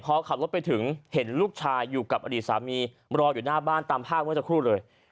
พอขับรถไปถึงเห็นลูกชายอยู่กับอดีตสามีรออยู่หน้าบ้านตามภาพเมื่อสักครู่เลย